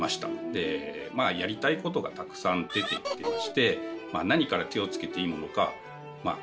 でまあやりたいことがたくさん出てきてまして何から手をつけていいものかまあ